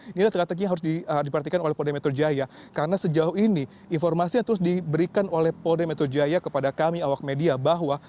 ini strategi yang harus diperhatikan oleh polda metro jaya karena sejauh ini informasi yang terus diberikan oleh polda metro jaya kepada kami awak media bahwa